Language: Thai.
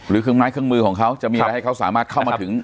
เครื่องไม้เครื่องมือของเขาจะมีอะไรให้เขาสามารถเข้ามาถึง